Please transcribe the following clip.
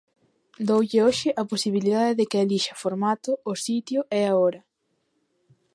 Doulle hoxe a posibilidade de que elixa formato, o sitio e a hora.